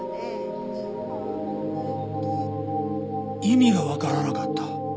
意味がわからなかった。